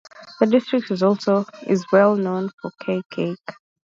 The district is also well known for Cay cake.